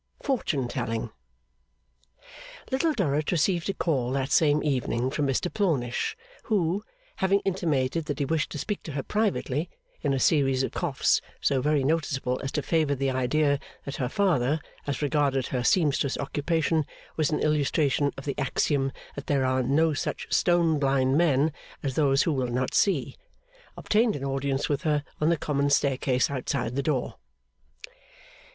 Fortune Telling Little Dorrit received a call that same evening from Mr Plornish, who, having intimated that he wished to speak to her privately, in a series of coughs so very noticeable as to favour the idea that her father, as regarded her seamstress occupation, was an illustration of the axiom that there are no such stone blind men as those who will not see, obtained an audience with her on the common staircase outside the door.